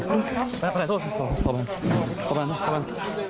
ขอบคุณมากครับพี่ขอบคุณมากครับพี่ขอบคุณมากครับพี่ขอบคุณมากครับพี่